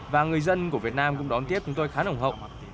và người dân của việt nam cũng đón tiếp chúng tôi khá ủng hộ